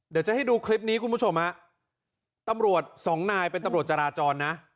เดี๋ยวจะให้ดูคลิปนี้คุณผู้ชมฮะตำรวจสองนายเป็นตำรวจจราจรนะ